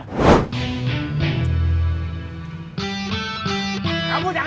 kamu jangan nonton aja baju